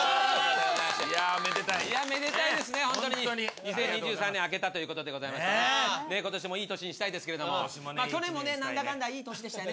２０２３年明けたということでございまして今年もいい年にしたいですけれども去年もね何だかんだいい年でしたよね。